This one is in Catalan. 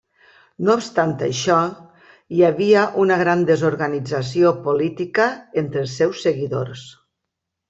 No obstant això, hi havia una gran desorganització política entre els seus seguidors.